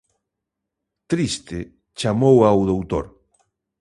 Triste, chamou ao doutor.